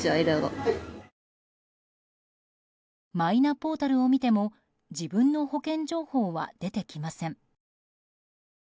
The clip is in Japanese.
マイナポータルを見ても自分の保険情報は出てきません。